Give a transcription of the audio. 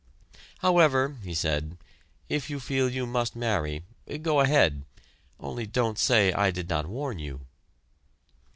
"However," he said, "if you feel you must marry, go ahead only don't say I did not warn you!"